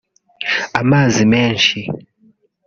amazi menshi